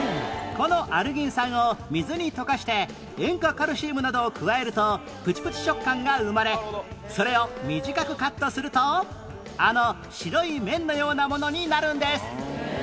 このアルギン酸を水に溶かして塩化カルシウムなどを加えるとプチプチ食感が生まれそれを短くカットするとあの白い麺のようなものになるんです